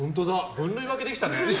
分類分けできたね！